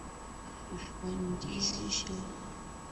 kufundishia masomo ni Kiswahili Wanafunzi hupanuliwa mawazo